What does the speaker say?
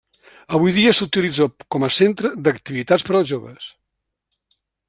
Avui dia s'utilitza com a centre d'activitats per als joves.